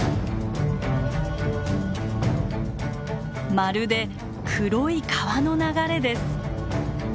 まるで黒い川の流れです。